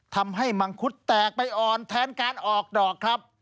มังคุดแตกไปอ่อนแทนการออกดอกครับ